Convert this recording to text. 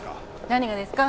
何がですか？